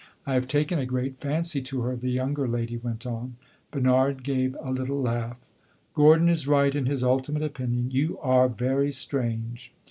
"I have taken a great fancy to her," the younger lady went on. Bernard gave a little laugh. "Gordon is right in his ultimate opinion. You are very strange!"